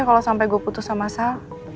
kalau sampe gue putus sama sal